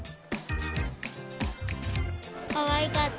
かわいかった。